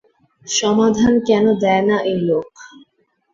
সমাধান কেন দেয় না এই লোক।